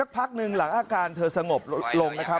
พักหนึ่งหลังอาการเธอสงบลงนะครับ